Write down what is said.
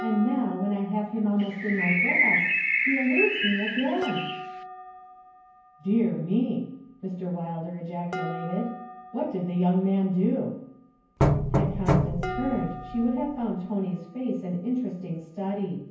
And now, when I have him almost in my grasp, he eludes me again!' 'Dear me!' Mr. Wilder ejaculated. 'What did the young man do?' Had Constance turned she would have found Tony's face an interesting study.